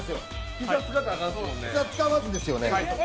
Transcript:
膝、使わずですよね。